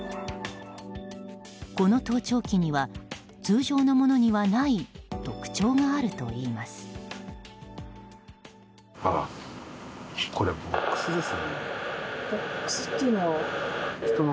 この盗聴器には通常のものにはない特徴があるといいます。